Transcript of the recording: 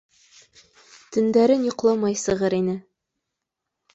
Төндәрен йоҡламай сығыр ине.